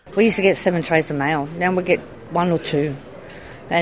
kami dulu mendapatkan tujuh pasir di mail sekarang kami mendapatkan satu atau dua